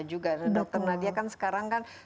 juga dokter nadia kan sekarang kan